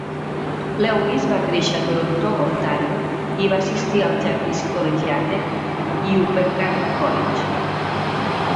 Lewis va créixer a Toronto (Ontario) i va assistir al Jarvis Collegiate i Upper Canada College.